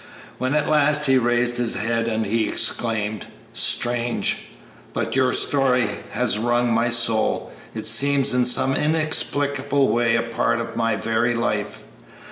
When at last he raised his head he exclaimed, "Strange! but your story has wrung my soul! It seems in some inexplicable way a part of my very life!"